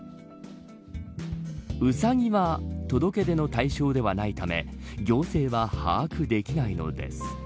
ウサギは届け出の対象ではないため行政は把握できないのです。